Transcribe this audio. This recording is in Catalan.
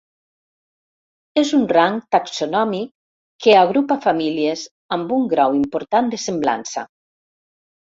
És un rang taxonòmic que agrupa famílies amb un grau important de semblança.